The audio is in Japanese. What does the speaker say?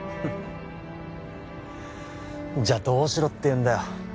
じゃあどうしろっていうんだよ